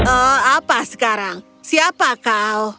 oh apa sekarang siapa kau